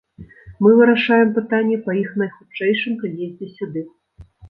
Мы вырашаем пытанне па іх найхутчэйшым прыездзе сюды.